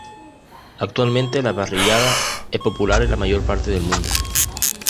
Actualmente la parrillada es popular en la mayor parte del mundo.